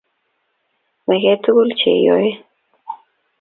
menget tuguk cheyoe